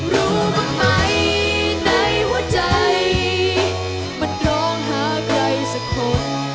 รู้บ้างไหมในหัวใจมันร้องหาใครสักคน